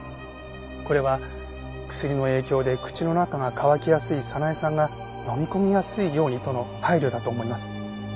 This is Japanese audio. これは薬の影響で口の中が渇きやすい早苗さんが飲み込みやすいようにとの配慮だと思います。